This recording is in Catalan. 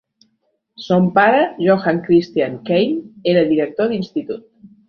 Son pare, Johann Christian Keim, era director d'institut.